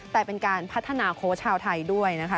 แต่เป็นการพัฒนาโค้ชชาวไทยด้วยนะคะ